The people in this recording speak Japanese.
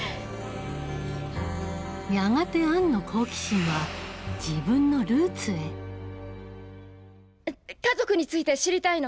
やがてアンの好奇心は自分のルーツへ家族について知りたいの。